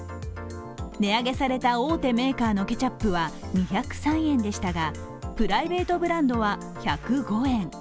値上げされた大手メーカーのケチャップは２０３円でしたがプライベートブランドは１０５円。